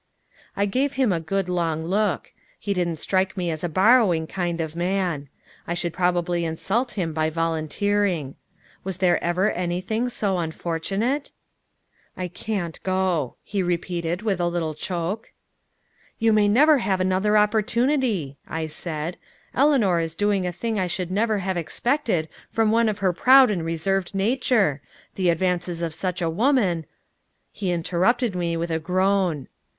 I gave him a good long look. He didn't strike me as a borrowing kind of man. I should probably insult him by volunteering. Was there ever anything so unfortunate? "I can't go," he repeated with a little choke. "You may never have another opportunity," I said. "Eleanor is doing a thing I should never have expected from one of her proud and reserved nature. The advances of such a woman " He interrupted me with a groan.